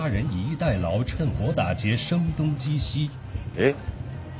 えっ？